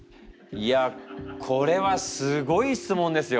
いやこれはすごい質問ですよ。